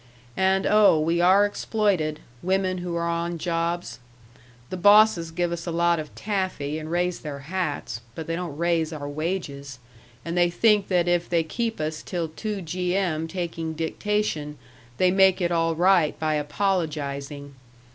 And, oh, we are exploited, women who are on jobs. The bosses give us a lot of taffy and raise their hats but they don't raise our wages, and they think that if they keep us till two G.M. taking dictation they make it all right by apologizing.